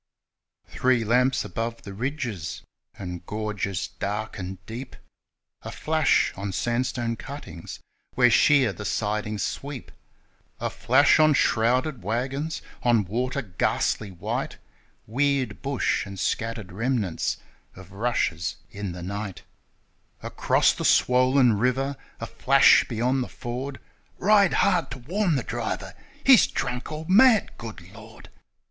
Three lamps above the ridges and gorges dark and deep, A flash on sandstone cuttings where sheer the sidings sweep, A flash on shrouded waggons, on water ghastly white; Weird bush and scattered remnants of ' rushes in the night ;' 42 THE LIGHTS OF COBB AND CO. Across the swollen river a flash beyond the ford :' Ride hard to warn the driver ! He's drunk or mad, good Lord